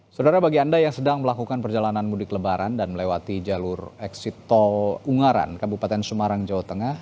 saudara bagi anda yang sedang melakukan perjalanan mudik lebaran dan melewati jalur eksit tol ungaran kabupaten sumarang jawa tengah